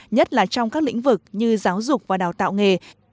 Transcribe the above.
nhất là trong các lĩnh vực như giáo dục và đào tạo nghề